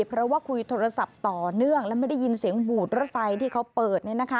เพราะว่าคุยโทรศัพท์ต่อเนื่องและไม่ได้ยินเสียงบูดรถไฟที่เขาเปิด